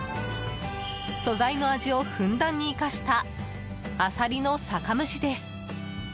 素材の味をふんだんに生かしたあさりの酒蒸しです。